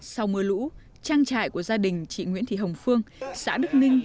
sau mưa lũ trang trại của gia đình chị nguyễn thị hồng phương xã đức ninh